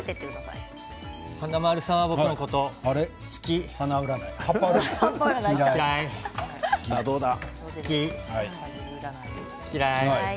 華丸さんは僕のこと好き、嫌い。